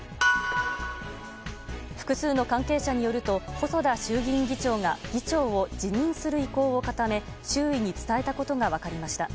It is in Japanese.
複数の関係者によると細田衆議院議長が議長を辞任する意向を固め周囲に伝えたことが分かりました。